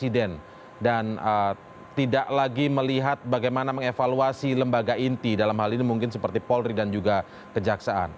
dan tidak lagi melihat bagaimana mengevaluasi lembaga inti dalam hal ini mungkin seperti polri dan juga kejaksaan